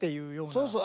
そうそう。